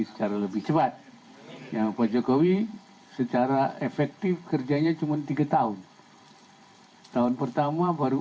secara lebih cepat yang pak jokowi secara efektif kerjanya cuma tiga tahun tahun pertama baru